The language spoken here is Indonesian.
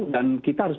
dan kita harus